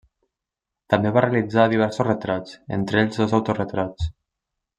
També va realitzar diversos retrats, entre ells dos autoretrats.